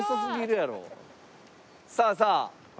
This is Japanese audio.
さあさあ。